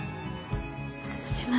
すみません。